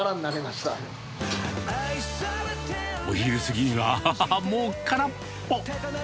お昼過ぎには、もう空っぽ。